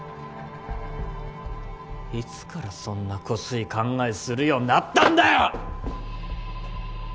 いつからそんなこすい考えするようになったんだよ！